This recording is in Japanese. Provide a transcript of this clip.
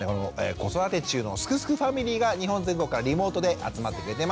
子育て中のすくすくファミリーが日本全国からリモートで集まってくれてます！